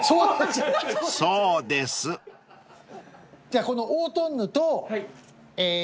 じゃあこのオートンヌとえぇ